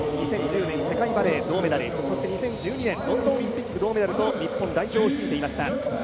２０１０年世界バレー銅メダル、そして２０１２年ロンドンオリンピック銅メダルと日本代表を率いていました。